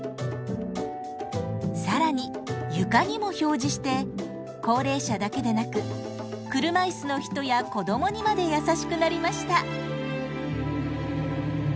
更に床にも表示して高齢者だけでなく車椅子の人や子供にまで優しくなりました。